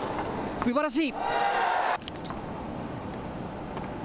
すばらしい。